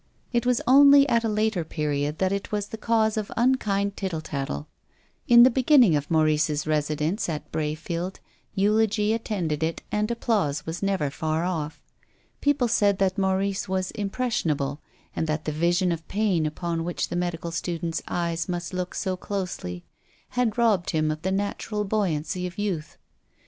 It was only at a later period that it was the cause of unkind tittle tattle. In the beginning of Maurice's residence at Brayfield eulogy attended it and applause was never far off. People said that Maurice was impression able, and that the vision of pain upon which the medical student's eyes must look so closely had robbed him of the natural buoyancy of youth.